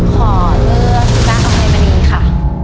ขอเลือกพระอภัยมณีค่ะ